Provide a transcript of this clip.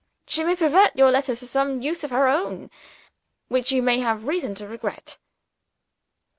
She may pervert your letter to some use of her own, which you may have reason to regret."